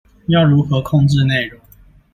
要如何控制内容